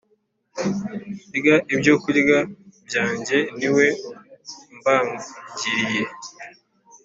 Urya ibyokurya byanjye ni we umbangiriye